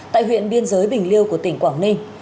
tại huyện biên giới bình liêu của tỉnh quảng ninh